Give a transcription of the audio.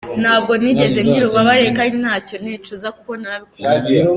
Ntabwo nigeze ngira ububabare kandi ntacyo nicuza kuko narabikunze.